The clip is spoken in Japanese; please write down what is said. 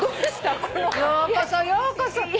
ようこそようこそ。